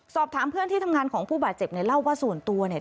สอบถามเพื่อนที่ทำงานของผู้บาดเจ็บเนี่ยเล่าว่าส่วนตัวเนี่ย